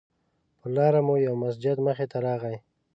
پر لاره مو یو مسجد مخې ته راغی.